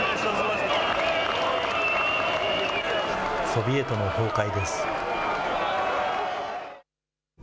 ソビエトの崩壊です。